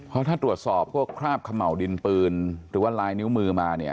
เพราะถ้าตรวจสอบพวกคราบเขม่าวดินปืนหรือว่าลายนิ้วมือมาเนี่ย